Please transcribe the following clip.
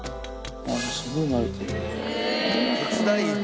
すごいなれてる。